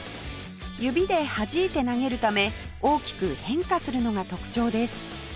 指ではじいて投げるため大きく変化するのが特徴です